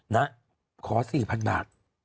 นะขอ๔๐๐๐บาท